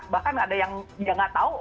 bahkan ada yang dia nggak tahu